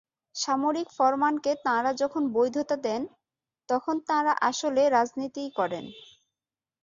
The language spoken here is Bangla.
সামরিক ফরমানকে তাঁরা যখন বৈধতা দেন, তখন তাঁরা আসলে রাজনীতিই করেন।